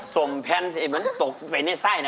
ส้มแผ่นที่มันตกไปในทรายนะ